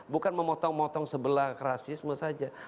bukan memotong motong sebelah rasisme saja